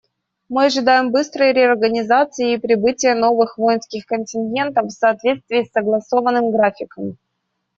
Мы ожидаем быстрой реорганизации и прибытия новых воинских контингентов в соответствии с согласованным графиком.